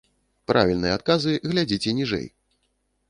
Правільныя адказы глядзіце ніжэй!